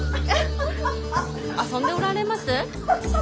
遊んでおられます？